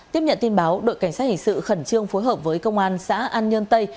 tiếp nhận tin báo đội cảnh sát hình sự khẩn trương phối hợp với công an xã an nhơn tây